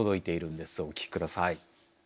お聞きください。